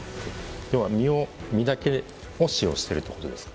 要は実を実だけを使用してるってことですか？